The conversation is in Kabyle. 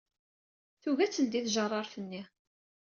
Tugi ad teldey tjeṛṛaṛt-nni.